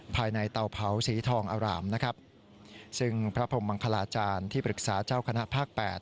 เตาเผาสีทองอารามนะครับซึ่งพระพรมมังคลาจารย์ที่ปรึกษาเจ้าคณะภาคแปด